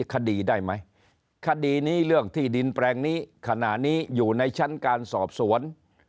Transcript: คดีได้ไหมคดีนี้เรื่องที่ดินแปลงนี้ขณะนี้อยู่ในชั้นการสอบสวน